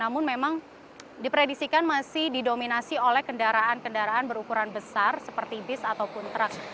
namun memang dipredisikan masih didominasi oleh kendaraan kendaraan berukuran besar seperti bis ataupun truk